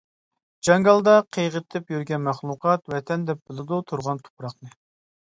جاڭگالدا قىيغىتىپ يۈرگەن مەخلۇقات، ۋەتەن دەپ بىلىدۇ تۇرغان تۇپراقنى.